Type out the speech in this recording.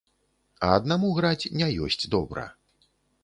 А аднаму граць не ёсць добра.